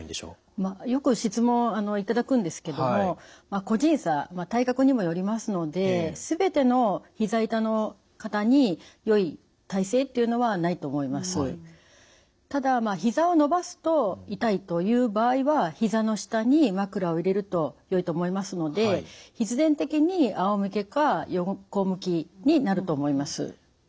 まあよく質問頂くんですけども個人差体格にもよりますのでただひざを伸ばすと痛いという場合はひざの下に枕を入れるとよいと思いますので必然的にあおむけか横向きになると思います。